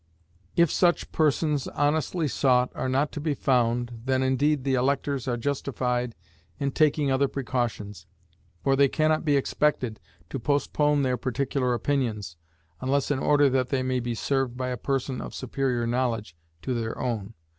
If such persons, honestly sought, are not to be found, then indeed the electors are justified in taking other precautions, for they can not be expected to postpone their particular opinions, unless in order that they may be served by a person of superior knowledge to their own.